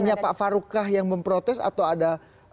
hanya pak faruk kah yang memprotes atau ada